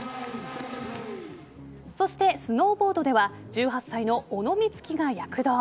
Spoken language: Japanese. そして、スノーボードでは１８歳の小野光希が躍動。